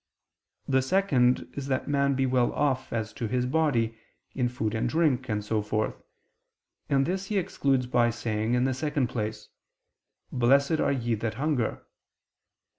The second is that man be well off as to his body, in food and drink, and so forth; this he excludes by saying in the second place: "Blessed are ye that hunger."